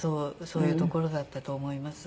そういう所だったと思います。